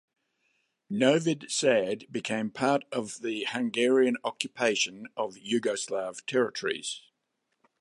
Novi Sad became part of the Hungarian occupation of Yugoslav territories.